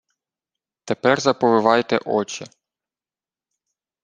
— Тепер заповивайте очі.